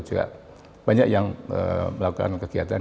juga banyak yang melakukan kegiatan